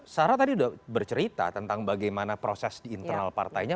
sarah tadi sudah bercerita tentang bagaimana proses di internal partainya